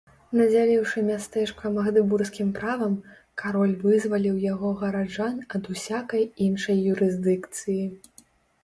Надзяліўшы мястэчка магдэбургскім правам, кароль вызваліў яго гараджан ад усякай іншай юрысдыкцыі.